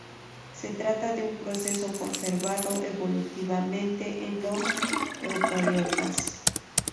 Se trata de un proceso conservado evolutivamente en los eucariotas.